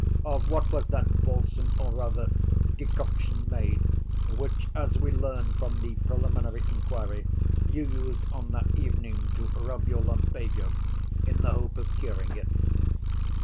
"Of what was that balsam, or, rather, decoction, made, which, as we learn from the preliminary inquiry, you used on that evening to rub your lumbago, in the hope of curing it?"